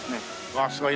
わあすごい。